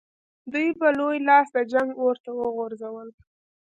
دوی په لوی لاس د جنګ اور ته وغورځول.